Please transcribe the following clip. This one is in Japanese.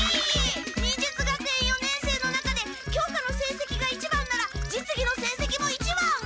忍術学園四年生の中で教科のせいせきが１番なら実技のせいせきも１番。